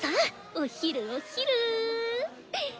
お昼おっ昼！